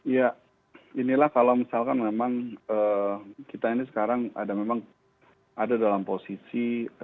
ya inilah kalau misalkan memang kita ini sekarang ada memang ada dalam posisi